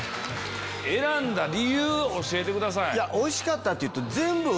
選んだ理由教えてください。